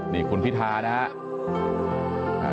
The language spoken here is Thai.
นี่คุณพิธานะฮะ